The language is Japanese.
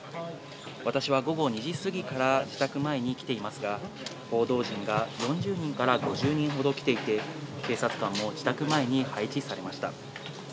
私は午後２時過ぎから自宅前に来ていますが、報道陣が４０人から５０人ほど来ていて、警察官も自宅前に配置されました。